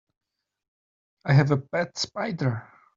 I have a pet spider.